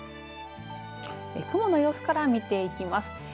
雲の様子から見ていきます。